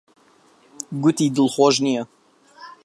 گوتی دڵخۆش نییە.